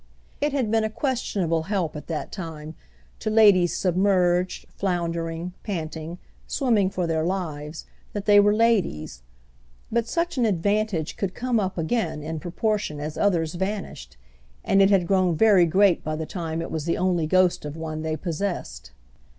It had been a questionable help, at that time, to ladies submerged, floundering, panting, swimming for their lives, that they were ladies; but such an advantage could come up again in proportion as others vanished, and it had grown very great by the time it was the only ghost of one they possessed.